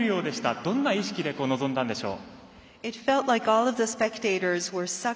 どんな意識で臨んだんでしょう？